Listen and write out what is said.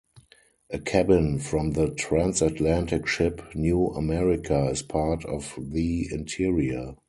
A cabin from the transatlantic ship "New America" is part of the interior.